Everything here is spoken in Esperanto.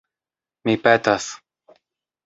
Mi petas!